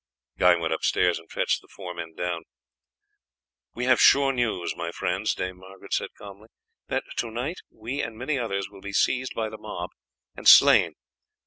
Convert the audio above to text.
Guy went upstairs and fetched the four men down. "We have sure news, my friends," Dame Margaret said calmly, "that to night we and many others shall be seized by the mob and slain."